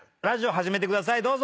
ラジオ始めてください。